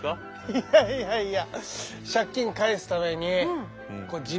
いやいやいやいや。